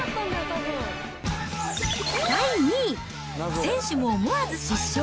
第２位、選手も思わず失笑！